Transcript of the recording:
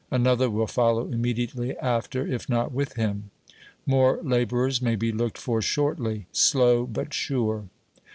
Another will follow immediately after, if not with him. More laborers may bo looked for shortly. " Slow but sure."